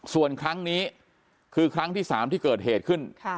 ส่วนครั้งนี้คือครั้งที่๓ที่เกิดเหตุขึ้น